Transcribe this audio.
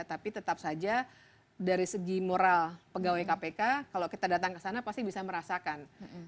tapi tetap saja dari segi moral pegawai kpk kalau kita datang ke sana pasti bisa merasakan